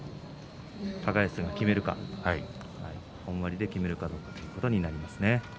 高安が決めるか本割で決めるかどうかということになります。